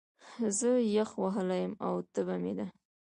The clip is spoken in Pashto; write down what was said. زه يخ وهلی يم، او تبه مې ده